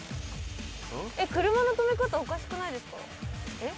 車の止め方おかしくないですか？